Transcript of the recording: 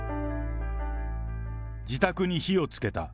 自宅に火をつけた。